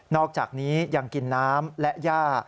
อกจากนี้ยังกินน้ำและย่า